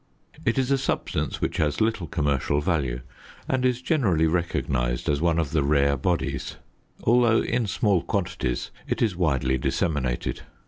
It is a substance which has little commercial value, and is generally recognised as one of the rare bodies; although, in small quantities, it is widely disseminated.